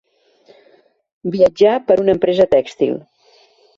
Viatjar per una empresa tèxtil.